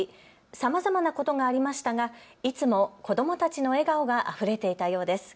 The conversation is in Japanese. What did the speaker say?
さまざまなことがありましたがいつも子どもたちの笑顔があふれていたようです。